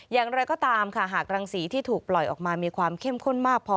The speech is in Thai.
อย่างไรก็ตามค่ะหากรังสีที่ถูกปล่อยออกมามีความเข้มข้นมากพอ